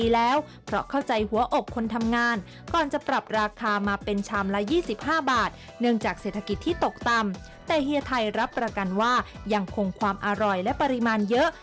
แต่เฮียไทยรับประกันว่ายังคงความอร่อยและปริมาณเยอะ